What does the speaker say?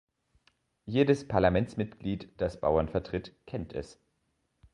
Jedes Parlamentsmitglied, das Bauern vertritt, kennt es.